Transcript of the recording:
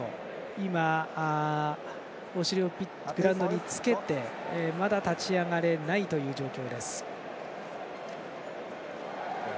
今、お尻をグラウンドにつけてまだ立ち上がれないという状況。